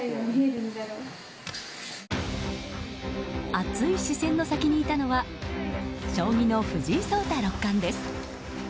熱い視線の先にいたのは将棋の藤井聡太六冠です。